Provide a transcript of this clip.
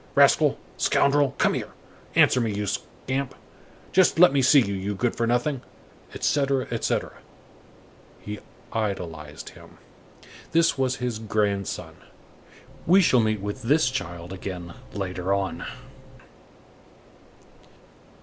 rascal, scoundrel, come here!—Answer me, you scamp! Just let me see you, you good for nothing!" etc., etc. He idolized him. This was his grandson. We shall meet with this child again later on.